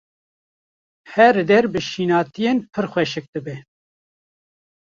Her der bi şînatiyan pir xweşik dibe.